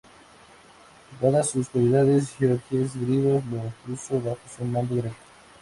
Dadas sus cualidades, Georgios Grivas lo puso bajo su mando directo.